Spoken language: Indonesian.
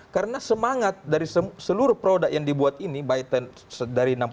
karena semangat dari seluruh produk yang dibuat ini dari seribu sembilan ratus enam puluh tujuh sampai sekarang